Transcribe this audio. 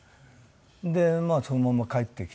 でそのまま帰ってきて。